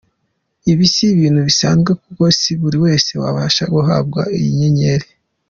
Ibi si ibintu bisanzwe kuko si buri wese wabasha guhabwa iyi nyenyeri.